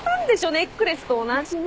ネックレスと同じの。